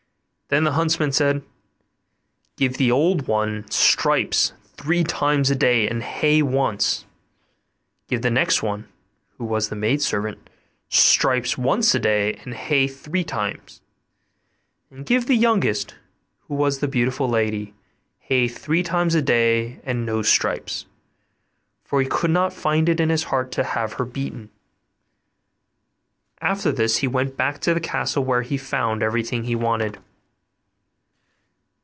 Then the huntsman said, 'Give the old one stripes three times a day and hay once; give the next (who was the servant maid) stripes once a day and hay three times; and give the youngest (who was the beautiful lady) hay three times a day and no stripes': for he could not find it in his heart to have her beaten. After this he went back to the castle, where he found everything he wanted.